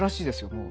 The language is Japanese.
もう。